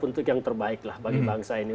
untuk yang terbaikuh bagi bangsa ini